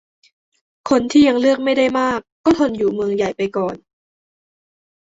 คนที่ยังเลือกไม่ได้มาก ก็ทนอยู่เมืองใหญ่ไปก่อน